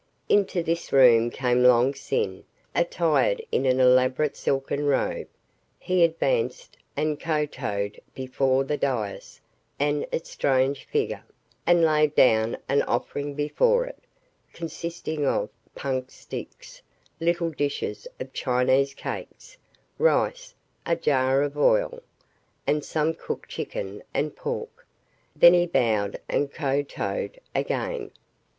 Into this room came Long Sin attired in an elaborate silken robe. He advanced and kowtowed before the dais with its strange figure, and laid down an offering before it, consisting of punk sticks, little dishes of Chinese cakes, rice, a jar of oil, and some cooked chicken and pork. Then he bowed and kowtowed again.